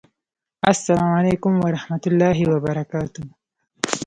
السلام علیکم ورحمة الله وبرکاته!